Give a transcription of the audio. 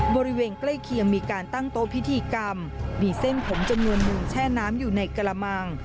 บริเวณใกล้เคียงมีการตั้งโต๊ะพิธีกรรมมีเส้นผมจำนวนหนึ่งแช่น้ำอยู่ในกระมัง